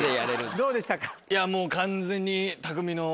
どうでしたか？